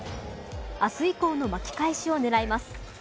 明日以降の巻き返しを狙います。